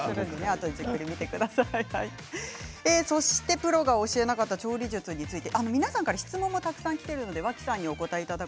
プロが教えなかった調理術について皆さんから質問もきています。